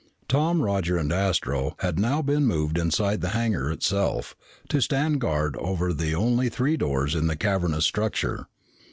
Tom, Roger, and Astro had now been moved inside the hangar itself, to stand guard over the only three doors in the cavernous structure.